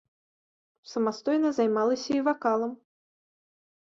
Самастойна займалася і вакалам.